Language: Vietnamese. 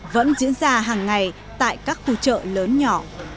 vẫn diễn ra hàng ngày tại các khu chợ lớn nhỏ